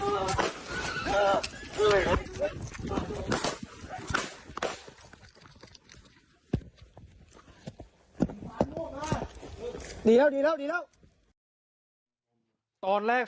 เฮ้ยเฮ้ยเฮ้ย